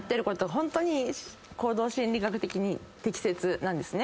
ホントに行動心理学的に適切なんですね。